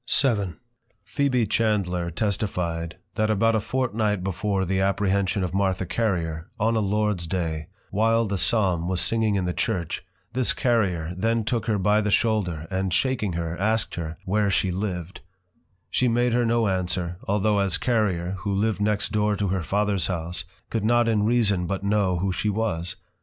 VII. Phebe Chandler testify'd, that about a Fortnight before the apprehension of Martha Carrier, on a Lords day, while the Psalm was singing in the Church, this Carrier then took her by the shoulder and shaking her, asked her, where she lived: she made her no Answer, although as Carrier, who lived next door to her Fathers House, could not in reason but know who she was.